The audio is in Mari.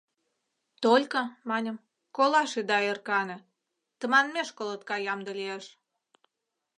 Только, маньым, колаш ида ӧркане, тыманмеш колотка ямде лиеш.